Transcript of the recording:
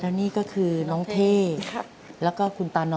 ทำงานชื่อนางหยาดฝนภูมิสุขอายุ๕๔ปี